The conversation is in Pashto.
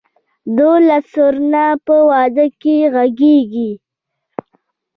دهل او سرنا په واده کې غږیږي؟